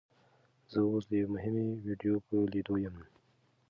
زه اوس د یوې مهمې ویډیو په لیدو یم.